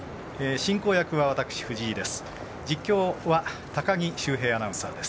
進行役は藤井です。